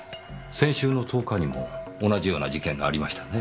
先週の１０日にも同じような事件がありましたね。